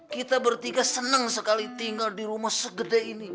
kita bertiga senang sekali tinggal di rumah segede ini